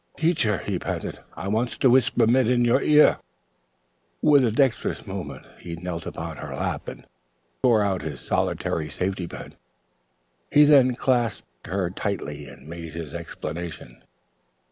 "Teacher," he panted; "I wants to whisper mit you in the ear." With a dexterous movement he knelt upon her lap and tore out his solitary safety pin. He then clasped her tightly and made his explanation.